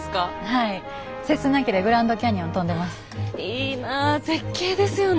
いいなぁ絶景ですよね。